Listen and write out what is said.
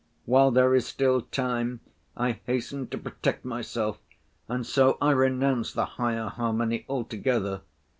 While there is still time, I hasten to protect myself, and so I renounce the higher harmony altogether.